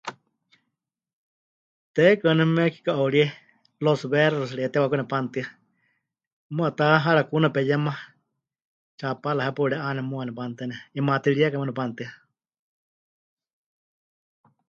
Huteikɨ waaníu México 'auríe, Los Berros reyetewakaku nepanutɨa, muuwa ta Harakuna peyema, Chapala hepaɨ pɨre'ane muuwa nepanutɨ́a ne, 'imatɨrieka muuwa nepanutɨa.